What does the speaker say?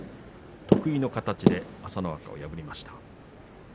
得意の形で朝乃若を破りました。